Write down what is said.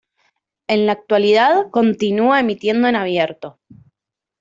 En la actualidad continúa emitiendo en abierto.